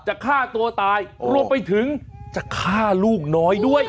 ฆ่าตัวตายรวมไปถึงจะฆ่าลูกน้อยด้วย